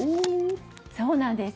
そうなんです。